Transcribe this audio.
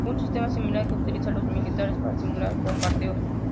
Un sistema similar que utilizaron los militares para simular bombardeos.